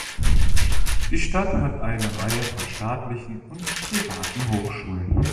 Die Stadt hat eine Reihe von staatlichen und privaten Hochschulen.